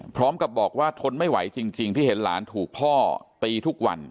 พร้อมกับบอกว่าทนไม่ไหวจริงที่เห็นหลานถูกพ่อตีทุกวัน